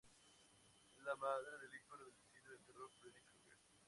Es la madre del ícono del cine de terror Freddy Krueger.